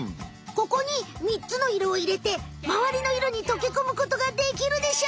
ここに３つの色をいれてまわりの色にとけこむことができるでしょうか？